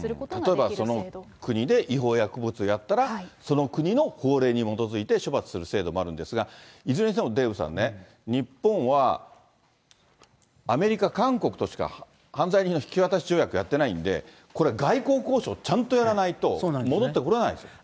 例えばその国で違法薬物をやったら、その国の法令に基づいて処罰する制度もあるんですが、いずれにしてもデーブさんね、日本はアメリカ、韓国としか犯罪人の引き渡し条約やってないんで、これ、外交交渉ちゃんとやらないと、戻ってこれないです。